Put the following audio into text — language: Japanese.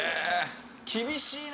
厳しいな！」